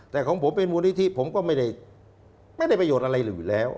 แต่ของผมเป็นมูลนิธิผมก็ไม่ได้ประโยชน์อะไรลืมอยู่แล้ว